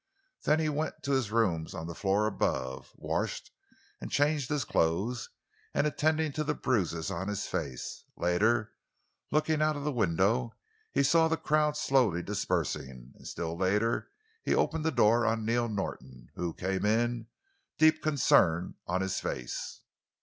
Then he went to his rooms on the floor above, washed and changed his clothes, and attended to the bruises on his face. Later, looking out of the window, he saw the crowd slowly dispersing; and still later he opened the door on Neil Norton, who came in, deep concern on his face.